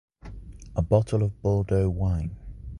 A bottle of Bordeaux wine.